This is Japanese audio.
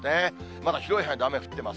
まだ広い範囲で雨降ってます。